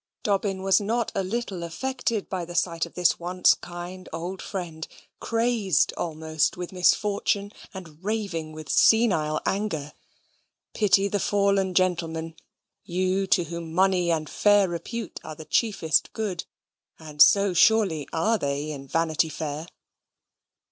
Dobbin was not a little affected by the sight of this once kind old friend, crazed almost with misfortune and raving with senile anger. Pity the fallen gentleman: you to whom money and fair repute are the chiefest good; and so, surely, are they in Vanity Fair.